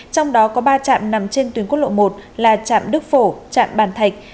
trong đó có ba trạm nằm trên tuyến quốc lộ một là trạm đức phổ trạm bàn thạch